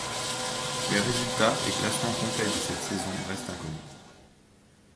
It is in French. Les résultats et classement complet de cette saison restent inconnus.